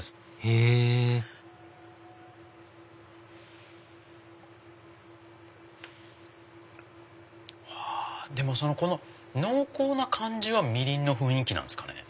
へぇでもこの濃厚な感じはみりんの雰囲気なんですかね？